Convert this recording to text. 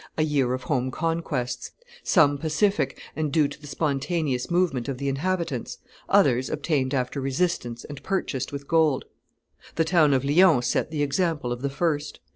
a year of home conquests, some pacific and due to the spontaneous movement of the inhabitants, others obtained after resistance and purchased with gold. The town of Lyons set the example of the first.